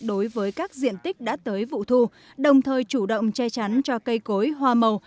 đối với các diện tích đã tới vụ thu đồng thời chủ động che chắn cho cây cối hoa màu